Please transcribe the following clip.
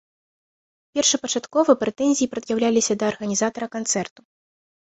Першапачаткова прэтэнзіі прад'яўляліся да арганізатара канцэрту.